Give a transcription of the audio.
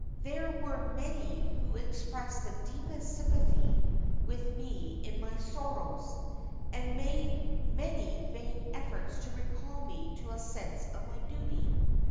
There were many who expressed the deepest sympathy with me in my sorrows, and made many vain efforts to recall me to a sense of my duty.